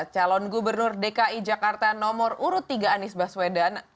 calon gubernur dki jakarta nomor urut tiga anies baswedan